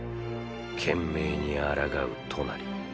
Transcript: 懸命にあらがうトナリ。